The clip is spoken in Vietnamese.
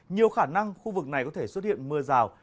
nhiều khả năng khu vực này có thể xuất hiện mưa rào